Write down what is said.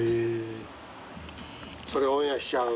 それオンエアしちゃう？